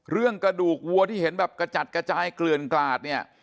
เรื่องกระดูกวัวที่เห็นแบบกระจัดกระจายเกลือนกราด